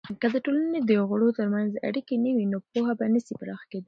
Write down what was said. که د ټولني دغړو ترمنځ اړیکې نه وي، نو پوهه به نسي پراخه کیدلی.